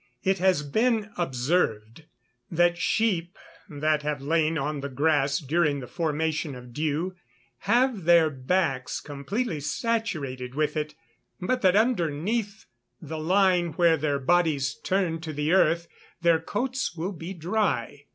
It has been observed that sheep that have lain on the grass during the formation of dew have their backs completely saturated with it, but that underneath the line where their bodies turn to the earth, their coats will be dry.